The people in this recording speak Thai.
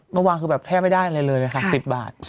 เมื่อวานคือแทบไม่ได้เลย๑๐บาท